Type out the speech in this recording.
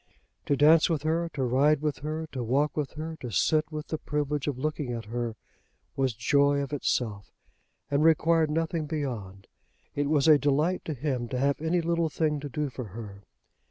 To dance with her, to ride with her, to walk with her, to sit with the privilege of looking at her, was joy of itself, and required nothing beyond. It was a delight to him to have any little thing to do for her.